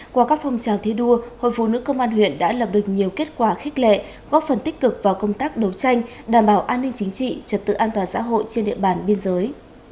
qua các phong trào thi đua hội phụ nữ công an huyện đã lập được nhiều kết quả khích lệ góp phần tích cực vào công tác đấu tranh đảm bảo an ninh chính trị trật tự an toàn xã hội trên địa bàn biên giới